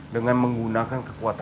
dengan menggunakan kekuatan hitam